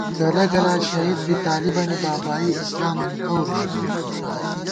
گلہ گلا شہید بی طالِبَنی بابائی اسلامَنی دور ژِبُوئی